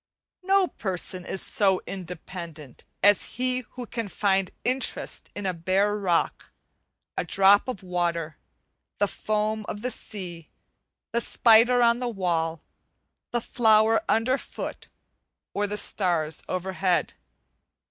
No person is so independent as he who can find interest in a bare rock, a drop of water, the foam of the sea, the spider on the wall, the flower underfoot or the starts overhead.